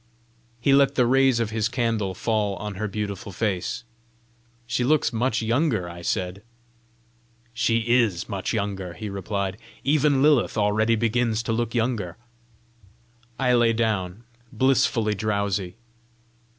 He let the rays of his candle fall on her beautiful face. "She looks much younger!" I said. "She IS much younger," he replied. "Even Lilith already begins to look younger!" I lay down, blissfully drowsy.